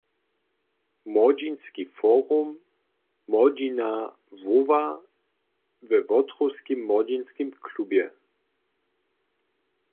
- młodźinski forum „Młodźina woła“ we Wotrowskim młodźinskim klubje